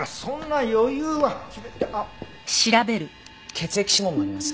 血液指紋もあります。